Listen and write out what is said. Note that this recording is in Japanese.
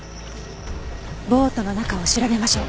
ボートの中を調べましょう。